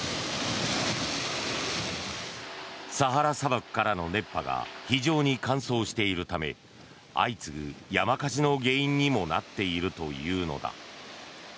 サハラ砂漠からの熱波が非常に乾燥しているため相次ぐ山火事の原因にもなっているというのだ。